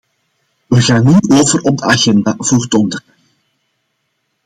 We gaan nu over op de agenda voor donderdag.